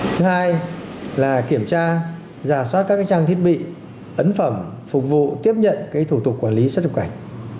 thứ hai là kiểm tra giả soát các trang thiết bị ấn phẩm phục vụ tiếp nhận thủ tục quản lý xuất nhập cảnh